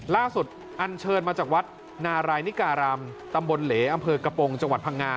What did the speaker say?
อันเชิญมาจากวัดนารายนิการามตำบลเหลอำเภอกระโปรงจังหวัดพังงา